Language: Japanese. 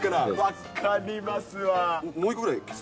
分かりますわー。